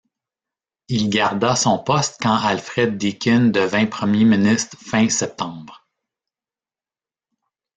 Il garda son poste quand Alfred Deakin devint Premier ministre fin septembre.